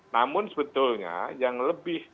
namun sebetulnya yang lebih